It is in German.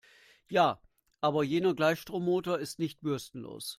Ja, aber jener Gleichstrommotor ist nicht bürstenlos.